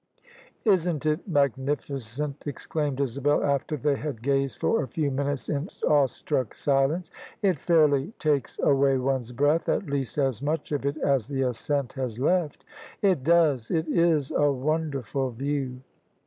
"Isn't it magnificent?" exclaimed Isabel after they had gazed for a few minutes in awestruck silence. " It fairly takes away one's breath — at least as much of it as the ascent has left." " It does : it is a wonderful view."